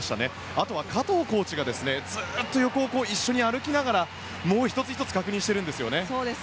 あとは加藤コーチが横をずっと一緒に歩きながら１つ１つ確認しているんですよね。